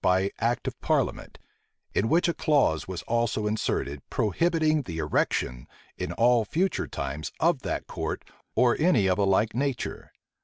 by act of parliament; in which a clause was also inserted, prohibiting the erection, in all future times, of that court, or any of a like nature.